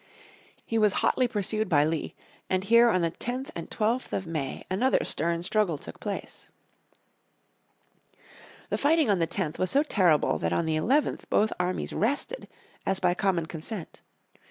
He was hotly pursued by Lee and here on the 10th and 12th of May another stern struggle took place. The fighting on the 10th was so terrible that on the 11th both armies rested as by common consent.